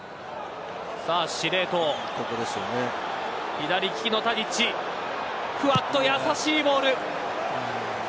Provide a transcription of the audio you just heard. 左利きのタディッチふわっとやさしいボール。